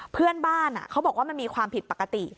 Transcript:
เพื่อนบ้านเขาบอกว่ามันมีความผิดปกติ